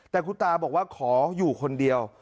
แต่คุณตาบอกว่าขออยู่คนเดียว